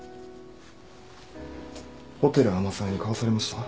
ホテル天沢に買わされました？